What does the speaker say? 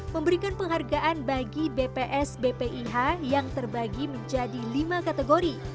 memberikan penghargaan bagi bps bpih yang terbagi menjadi lima kategori